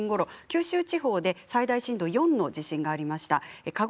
午前８時４８分ごろ九州地方で最大震度４の地震がありました。